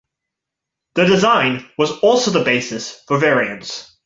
The design was also the basis for variants.